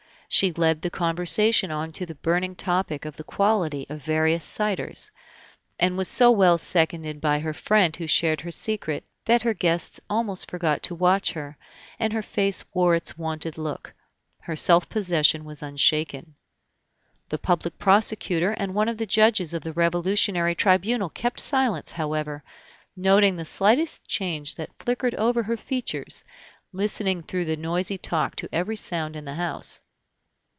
She led the conversation on to the burning topic of the quality of various ciders, and was so well seconded by her friend who shared her secret, that her guests almost forgot to watch her, and her face wore its wonted look; her self possession was unshaken. The public prosecutor and one of the judges of the Revolutionary Tribunal kept silence, however; noting the slightest change that flickered over her features, listening through the noisy talk to every sound in the house.